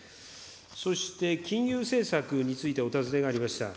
そして、金融政策についてお尋ねがありました。